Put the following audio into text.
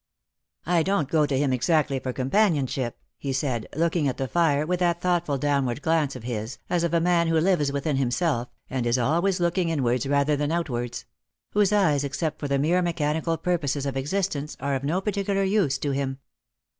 " I don't go to him exactly for companionship," he said, looking at the fire with that thoughtful downward glance of his, as of a man who lives within himself, and is always looking Lost for Lov* 67 inwards rather than outwards ; whose eyes, except for the mere mechanical purposes of existence, are of no particular use to him.